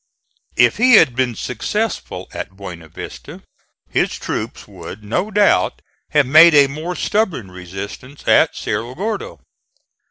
If he had been successful at Buena Vista his troops would no doubt have made a more stubborn resistance at Cerro Gordo.